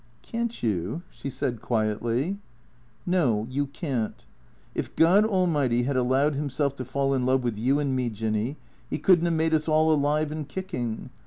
" Can't you ?" she said quietly. " No, you can't. If God Almighty had allowed himself to fall in love with you and me, Jinny, he could n't have made us all alive and kicking.